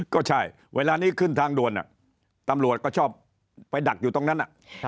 ก็ใช่เวลานี้ขึ้นทางด่วนตำรวจก็ชอบไปดักอยู่ตรงนั้น